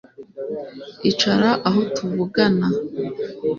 icara aho tuvugana